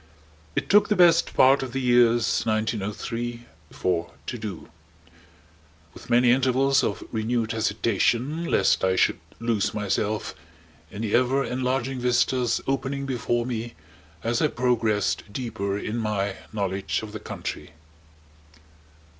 It took the best part of the years 1903 4 to do; with many intervals of renewed hesitation, lest I should lose myself in the ever enlarging vistas opening before me as I progressed deeper in my knowledge of the country.